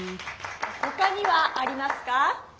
ほかにはありますか？